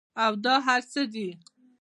او دا هر څۀ دي